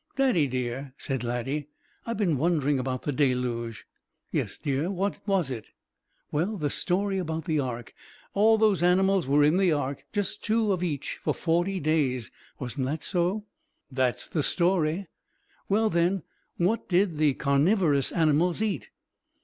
"Daddy, dear," said Laddie. "I've been wondering about the deluge." "Yes, dear. What was it?" "Well, the story about the Ark. All those animals were in the Ark, just two of each, for forty days. Wasn't that so?" "That is the story." "Well, then, what did the carnivorous animals eat?"